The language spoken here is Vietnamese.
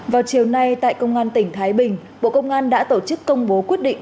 vào chiều nay tại công an tỉnh thái bình bộ công an đã tổ chức công bố quyết định